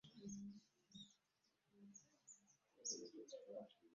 Abataka nkwenge gw'olya naye y'akutta.